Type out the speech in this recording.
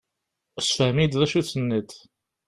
Sefhem-iyi-d d acu i d-tenniḍ.